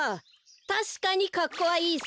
たしかにかっこはいいさ。